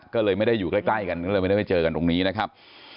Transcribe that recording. ก็เลยไม่ได้อยู่ใกล้กันก็เลยไม่ได้ไปเจอกันตรงนี้นะครับ